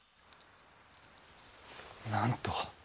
なんと。